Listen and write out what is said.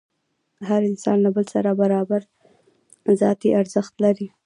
هر انسان له بل سره برابر ذاتي ارزښت لري.